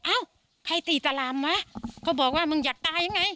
เอ้าใครตีตารามวะก็บอกว่ามึงอยากตายยังไง